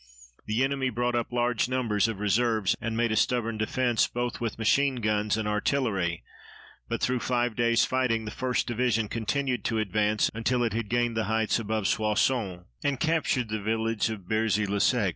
The enemy brought up large numbers of reserves and made a stubborn defense both with machine guns and artillery, but through five days' fighting the 1st Division continued to advance until it had gained the heights above Soissons and captured the village of Berzy le Sec.